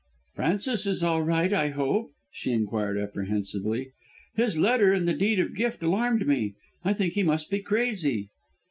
"Francis is all right, I hope?" she inquired apprehensively. "His letter and the Deed of Gift alarmed me. I think he must be crazy."